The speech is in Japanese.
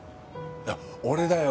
いや俺だよ